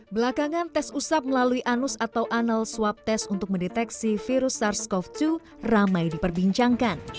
belakangan tes usap melalui anus atau anal swab test untuk mendeteksi virus sars cov dua ramai diperbincangkan